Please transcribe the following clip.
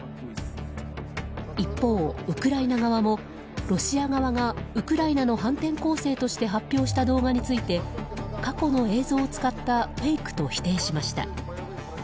一方ウクライナ側も、ロシア側がウクライナの反転攻勢として発表した動画について過去の映像を使ったフェイクと否定しました。